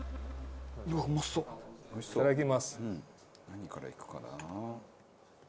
何からいくかな？